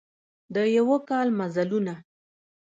د یوه کال مزلونه